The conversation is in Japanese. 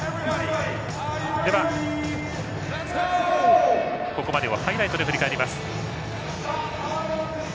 では、ここまでをハイライトで振り返ります。